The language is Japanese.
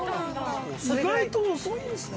◆意外と遅いんですね。